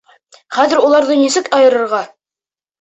Хәҙер уларҙы нисек айырырға?